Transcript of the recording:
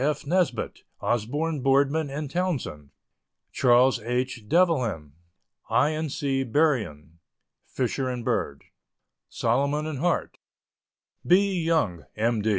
F. Nesbitt, Osborne, Boardman & Townsend, Charles H. Delavan, I. & C. Berrien, Fisher & Bird, Solomon & Hart, B. Young, M.